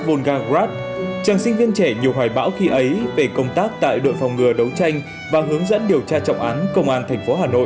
volga grab chàng sinh viên trẻ nhiều hoài bão khi ấy về công tác tại đội phòng ngừa đấu tranh và hướng dẫn điều tra trọng án công an tp hà nội